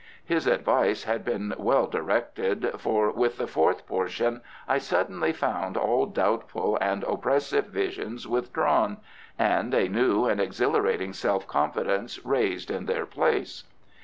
His advice had been well directed, for with the fourth portion I suddenly found all doubtful and oppressive visions withdrawn, and a new and exhilarating self confidence raised in their place.